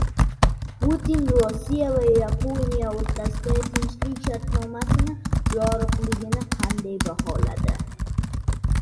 Putin Rossiya va Yaponiya o‘rtasida tinchlik shartnomasi yo‘qligini qanday baholadi?